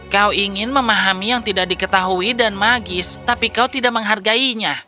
kau ingin memahami yang tidak diketahui dan magis tapi kau tidak menghargainya